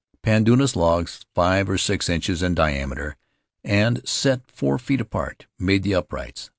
"Pandanus logs, five or six inches in diameter and set four feet apart, made the uprights.